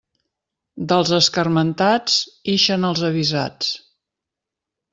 Dels escarmentats, ixen els avisats.